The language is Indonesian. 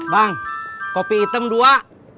bang kopi item dua